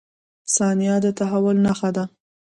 • ثانیه د تحول نښه ده.